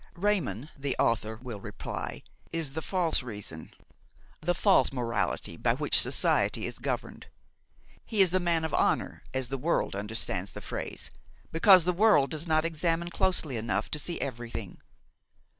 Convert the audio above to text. Raymon, the author will reply, is the false reason, the false morality by which society is governed; he is the man of honor as the world understands the phrase, because the world does not examine closely enough to see everything.